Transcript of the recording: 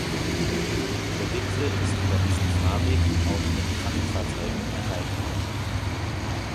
Der Gipfel ist über diesen Fahrweg auch mit Kraftfahrzeugen erreichbar.